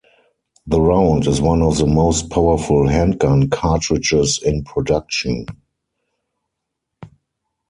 The round is one of the most powerful handgun cartridges in production.